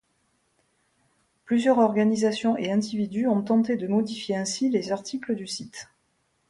Plusieurs organisations et individus ont tenté de modifier ainsi des articles du site.